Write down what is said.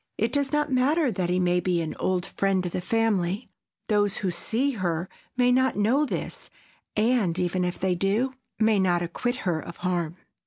It does not matter that he may be an "old friend of the family,"—those who see her may not know this and, even if they do, may not acquit her of harm.